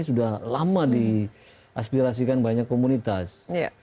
sudah lama diaspirasikan banyak komunitas sehingga mpr sendiri kan membentuk program